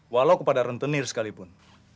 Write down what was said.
walau kepada rentenir sekalipun